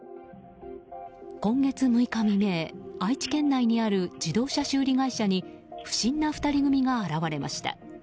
今月６日未明、愛知県内にある自動車修理会社に不審な２人組が現れました。